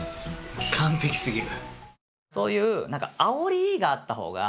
そういう何かあおりがあったほうが。